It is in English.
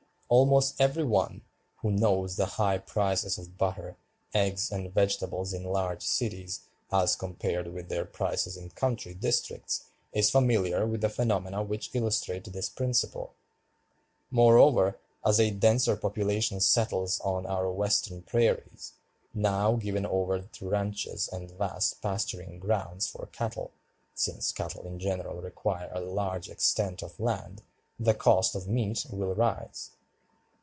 Almost every one, who knows the high prices of butter, eggs, and vegetables in large cities as compared with their prices in country districts, is familiar with the phenomena which illustrate this principle. Moreover, as a denser population settles on our Western prairies, now given over to ranches and vast pasturing grounds for cattle—since cattle in general require a large extent of land—the cost of meat will rise.